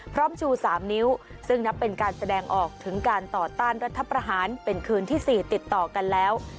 ชู๓นิ้วซึ่งนับเป็นการแสดงออกถึงการต่อต้านรัฐประหารเป็นคืนที่๔ติดต่อกันแล้ว